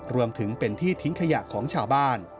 รวมถึงเป็นที่ทิ้งขยะของชาวบ้าน